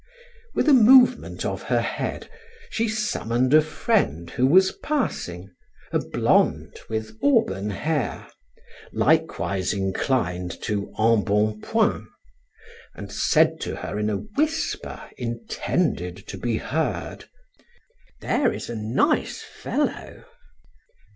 With a movement of her head, she summoned a friend who was passing, a blonde with auburn hair, likewise inclined to embonpoint, and said to her in a whisper intended to be heard; "There is a nice fellow!"